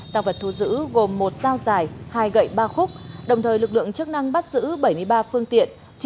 tăng vật thu giữ gồm một dao dài hai gậy ba khúc đồng thời lực lượng chức năng bắt giữ bảy mươi ba phương tiện